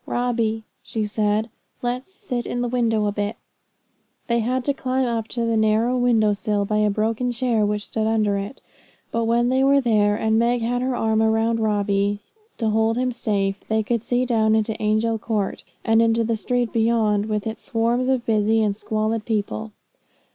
'Robbie,' she said, 'let's sit in the window a bit.' They had to climb up to the narrow window sill by a broken chair which stood under it; but when they were there, and Meg had her arm round Robin, to hold him safe, they could see down into Angel Court, and into the street beyond, with its swarms of busy and squalid people.